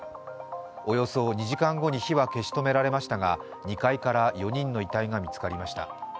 およそ２時間後に火は消し止められましたが２階から４人の遺体が見つかりました。